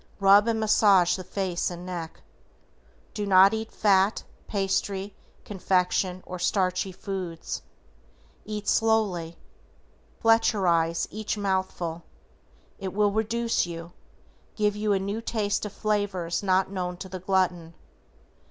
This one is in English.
RUB AND MASSAGE THE FACE AND NECK. Do not eat fat, pastry, confection, or starchy foods. Eat slowly, Fletcherize each mouthful, it will reduce you, give you a new taste of flavors not known to the glutton.